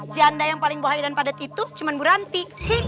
janda yang paling bahaya dan padat itu cuman bu ranti